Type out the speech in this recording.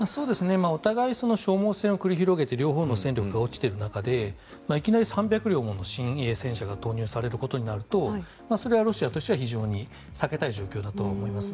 お互い、消耗戦を繰り広げて両方の戦力が落ちている中で最新鋭の戦車が投入されるとなるとそれはロシアとしては非常に避けたい状況だと思います。